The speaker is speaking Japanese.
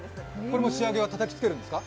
これも仕上げはたたきつけるんですか？